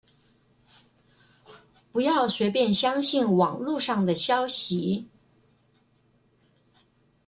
不要隨便相信網路上的消息